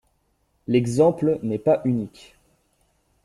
L'exemple n'est pas unique.